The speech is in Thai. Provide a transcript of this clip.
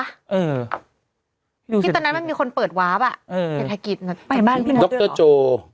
ปะเออพี่ตอนนั้นมันมีคนเปิดวาร์ฟอะเออเศรษฐกิจไปบ้านดรโจ